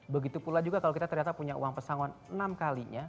begitu pula juga kalau kita ternyata punya uang pesangon enam kalinya